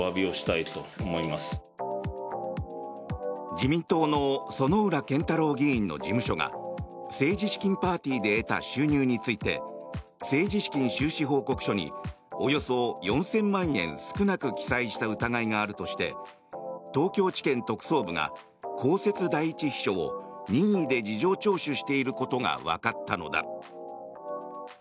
自民党の薗浦健太郎議員の事務所が政治資金パーティーで得た収入について政治資金収支報告書におよそ４０００万円少なく記載した疑いがあるとして東京地検特捜部が公設第１秘書を任意で事情聴取していることがわかったのだ。